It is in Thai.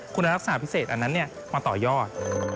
คุณรักษาพิเศษอันนั้นเนี่ยมาต่อยอด